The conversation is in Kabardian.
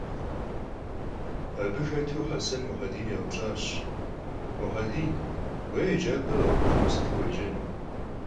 Abı xetu Hesen Muhedin yêupş'aş: - Muhedin, vue yêcap'er khebuxme, sıtu vuêcenu?